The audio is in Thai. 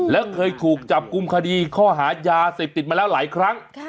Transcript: แล้วเคยถูกจับกลุ่มคดีข้อหายาเสพติดมาแล้วหลายครั้ง